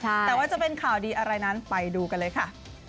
แต่ว่าจะเป็นข่าวดีอะไรนั้นไปดูกันเลยค่ะ